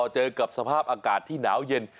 เจอกับสภาพอากาศที่หนาวเย็น